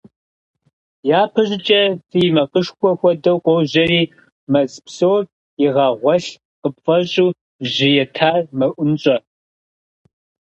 Япэ щӀыкӀэ фий макъышхуэ хуэдэу къожьэри, мэз псор игъэгъуэлъ къыпфӀэщӀу, жьы етар мэӀунщӀэ.